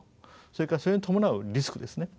それからそれに伴うリスクですね。